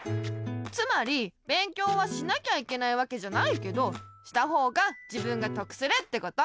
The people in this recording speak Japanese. つまり勉強はしなきゃいけないわけじゃないけどしたほうが自分がとくするってこと。